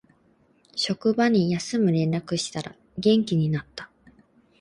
職場に休む連絡したら元気になった